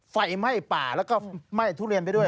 ไฟไหม้ป่าแล้วก็ไหม้ทุเรียนไปด้วย